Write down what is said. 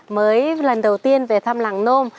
mới lần đầu tiên về thăm làng nôm